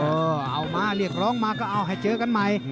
เอามาเรียกร้องมาก็เอาให้เจอกันใหม่